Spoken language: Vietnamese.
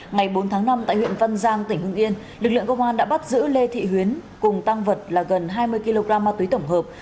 ngày bốn tháng năm tại huyện văn giang tỉnh hưng yên lực lượng công an đã bắt giữ lê thị huyến cùng tăng vật là gần hai mươi kg ma túy tổng hợp